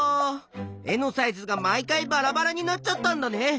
絵のサイズが毎回バラバラになっちゃったんだね。